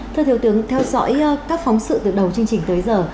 thưa thiếu tướng theo dõi các phóng sự từ đầu chương trình tới giờ